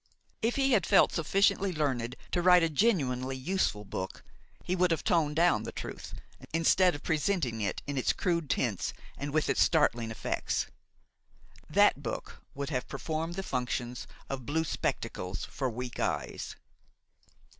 If he had felt sufficiently learned to write a genuinely useful book, he would have toned down the truth, instead of presenting it in its crude tints and with its startling effects. That book would have performed the functions of blue spectacles for weak eyes.